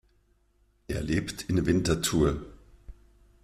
Er lebt in Winterthur.